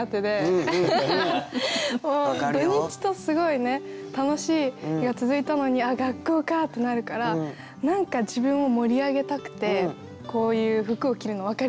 土日とすごい楽しい日が続いたのに「あっ学校か」ってなるから何か自分を盛り上げたくてこういう服を着るの分かります。